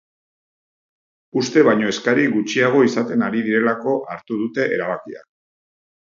Uste baino eskari gutxiago izaten ari direlako hartu dute erabakia.